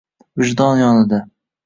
Vijdon yonida